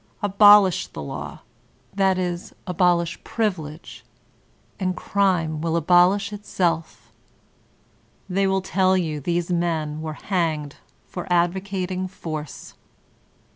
Abolish the law — ^that is abolish privilege^ — ^and crime will abolish itself. They will tell you these men were hanged for ad vocating force.